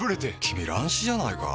君乱視じゃないか？